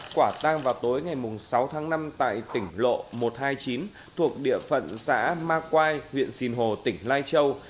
quả tang vào tối ngày sáu tháng năm tại tỉnh lộ một trăm hai mươi chín thuộc địa phận xã ma quai huyện sinh hồ tỉnh lai châu